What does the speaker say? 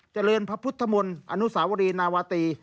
เจริญพระพุทธมนต์อนุสาวรีนาวาตรี